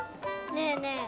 ねえねえ